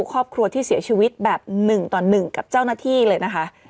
ครอบครัวที่เสียชีวิตแบบ๑ต่อ๑กับเจ้าหน้าที่เลยนะคะ